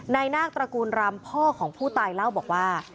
นาคตระกูลรำพ่อของผู้ตายเล่าบอกว่า